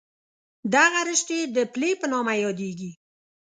دغه رشتې د پلې په نامه یادېږي.